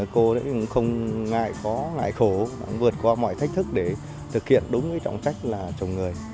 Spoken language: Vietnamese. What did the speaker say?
cô cũng không ngại khó ngại khổ vượt qua mọi thách thức để thực hiện đúng cái trọng trách là chồng người